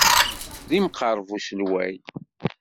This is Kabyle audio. D imqerreb uselway.